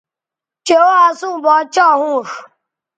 چہء او اسوں باچھا ھونݜ